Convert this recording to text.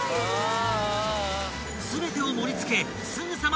［全てを盛り付けすぐさま瞬間冷凍］